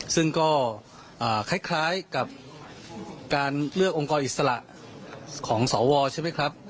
ซึ่งก็คล้ายกับการเลือกองค์กรอิสระของสวใช่ไหมครับ